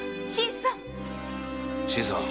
新さん！